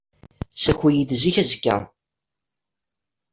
Ssaki-iyi-d zik azekka.